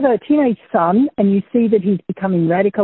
saya pikir cara terbaik untuk membantunya adalah